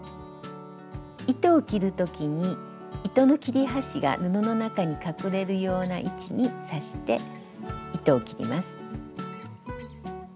糸を切る時に糸の切れ端が布の中に隠れるような位置に刺して糸を切ります。